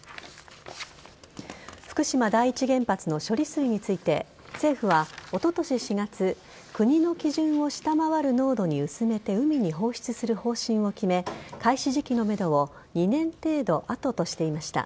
福島第一原発の処理水について政府はおととし４月国の基準を下回る濃度に薄めて海に放出する方針を決め開始時期のめどを２年程度後としていました。